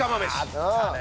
あったね。